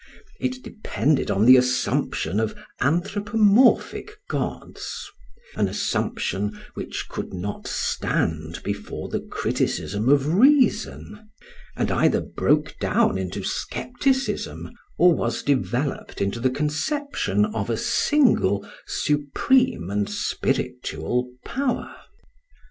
It depended on the assumption of anthropomorphic gods, an assumption which could not stand before the criticism of reason, and either broke down into scepticism, or was developed into the conception of a single supreme and spiritual power.